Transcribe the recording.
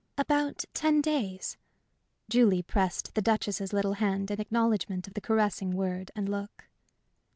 "About ten days." Julie pressed the Duchess's little hand in acknowledgment of the caressing word and look.